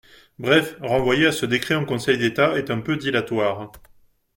Bref, renvoyer à ce décret en Conseil d’État est un peu dilatoire.